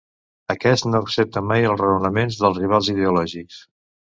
Aquest no accepta mai els raonaments dels rivals ideològics.